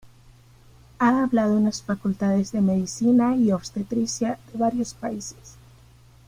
Ha hablado en las facultades de medicina y obstetricia de varios países.